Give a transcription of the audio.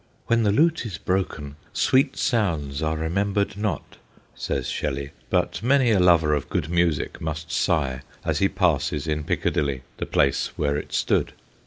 ' When the lute is broken, sweet sounds are remembered not/ says Shelley, but many a lover of good music must sigh as he passes in Piccadilly the place where it stood.